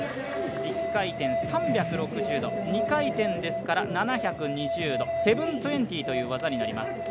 １回転、３６０度、２回転ですから７２０度、７２０という技になります。